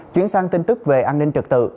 chuyến sang tin tức về an ninh trực tự